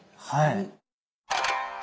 はい。